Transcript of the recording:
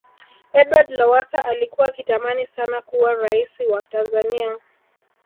edward lowasa alikuwa akitamani sana kuwa raisi wa tanzania